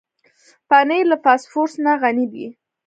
پنېر له فاسفورس نه غني دی.